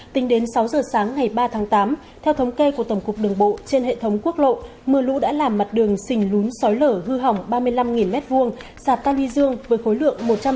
tính đến sáu giờ sáng ngày ba tháng tám theo thống kê của tổng cục đường bộ trên hệ thống quốc lộ mưa lũ đã làm mặt đường xình lún sói lở hư hỏng ba mươi năm m hai sạp cao ly dương với khối lượng một trăm sáu mươi bốn bốn trăm chín mươi bốn m ba